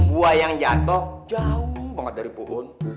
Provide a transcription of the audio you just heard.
buah yang jatuh jauh banget dari pohon